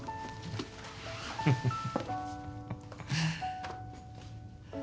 フフフフフ。